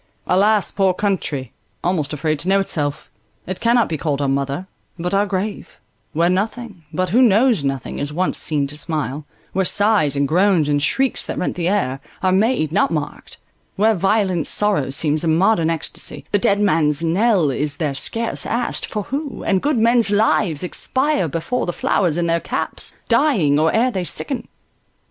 Alas, poor country; Almost afraid to know itself! It cannot Be called our mother, but our grave: where nothing, But who knows nothing, is once seen to smile; Where sighs, and groans, and shrieks that rent the air, Are made, not marked; where violent sorrow seems A modern extasy: the dead man's knell Is there scarce asked, for who; and good men's lives Expire before the flowers in their caps, Dying, or ere they sicken.